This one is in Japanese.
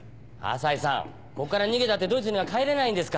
朝陽さんここから逃げたってドイツには帰れないんですから。